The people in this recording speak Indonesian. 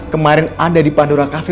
kemarin anda di pandora cafe